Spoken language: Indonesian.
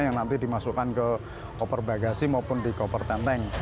yang nanti dimasukkan ke koper bagasi maupun di koper tenteng